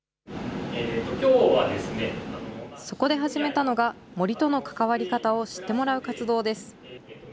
そこで始めたのが、森とのかかわり方を知ってもらう活動です。